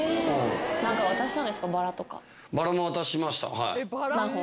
バラも渡しました。